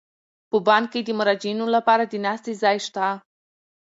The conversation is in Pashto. په بانک کې د مراجعینو لپاره د ناستې ځای شته.